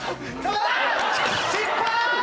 失敗！